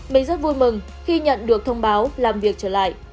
mình rất vui mừng khi nhận được thông báo làm việc trở lại